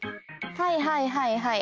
はいはいはいはい。